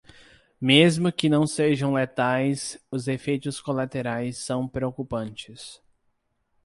Mesmo que não sejam letais, os efeitos colaterais são preocupantes.